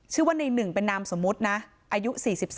ชื่อว่าในหนึ่งเป็นนามสมมุตินะอายุ๔๓